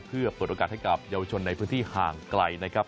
เพื่อเปิดโอกาสให้กับเยาวชนในพื้นที่ห่างไกลนะครับ